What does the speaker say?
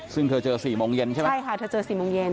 ซึ่งเธอเจอ๔โมงเย็นใช่ไหมใช่ค่ะเธอเจอ๔โมงเย็น